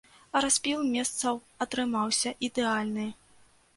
Распіл месцаў атрымаўся ідэальны.